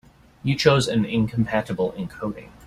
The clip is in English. You chose an incompatible encoding.